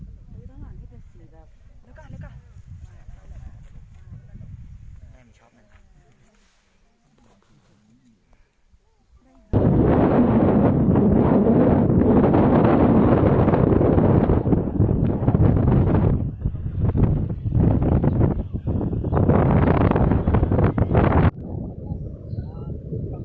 วันนี้หวังว่าไม่มีงานอยู่ได้แต่กุรกิจแนะล้มให้เต็มซักพัก